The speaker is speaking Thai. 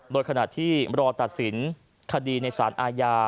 โดยขณะที่รอตัดสินคดีในสารอาญา